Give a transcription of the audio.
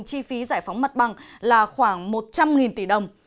chi phí giải phóng mặt bằng là khoảng một trăm linh tỷ đồng